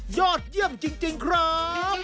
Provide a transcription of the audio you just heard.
ยอดเยี่ยมจริงครับ